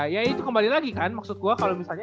ya itu kembali lagi kan maksud gua kalo misalnya